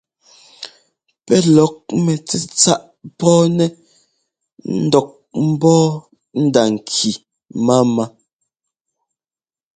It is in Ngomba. Pɛ́ lɔk mɛtsɛ́tsáꞌ pɔ́ɔnɛ́ ńdɔk ḿbɔ́ɔ nda-ŋki máama.